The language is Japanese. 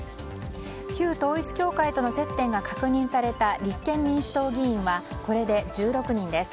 旧統一教会との接点が確認された立憲民主党議員はこれで１６人です。